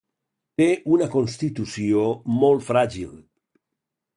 Té una constitució molt fràgil.